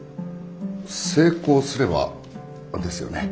成功すればですよね？